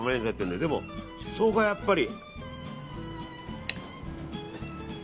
でもシソがやっぱり。